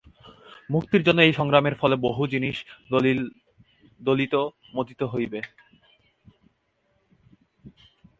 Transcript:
মুক্তির জন্য এই সংগ্রামের ফলে বহু জিনিষ দলিত-মথিত হইবে।